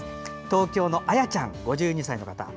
東京のあやちゃん、５２歳の方。